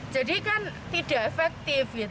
jadi kan tidak efektif